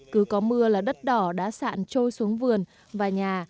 cứ có mưa là đất đỏ đã sạn trôi xuống vườn và nhà